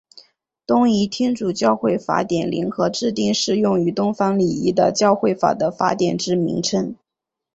东仪天主教会法典联合制定适用于东方礼仪的教会法的法典之名称。